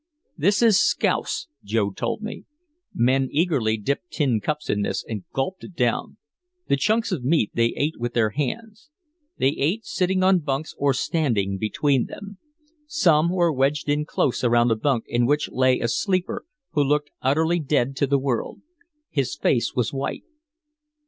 "This is scouse," Joe told me. Men eagerly dipped tin cups in this and gulped it down. The chunks of meat they ate with their hands. They ate sitting on bunks or standing between them. Some were wedged in close around a bunk in which lay a sleeper who looked utterly dead to the world. His face was white.